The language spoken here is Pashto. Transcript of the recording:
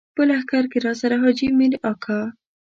په لښکر کې راسره حاجي مير اکا.